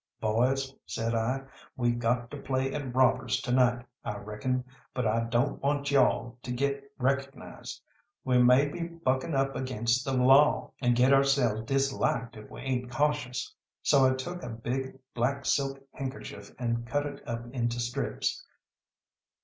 "Boys," says I, "we got to play at robbers to night, I reckon, but I don't want you all to get recognised. We may be bucking up against the law, and get ourselves disliked if we ain't cautious." So I took a big black silk handkerchief and cut it up into strips.